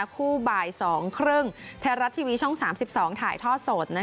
คู่บาย๒ครึ่งแท้รัฐทีวีช่อง๓๒ถ่ายท่อสด